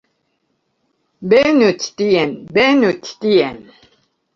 Venu ĉi tien. Venu ĉi tien.